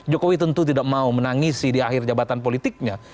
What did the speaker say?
jokowi tentu tidak mau menangisi di akhir jabatan politiknya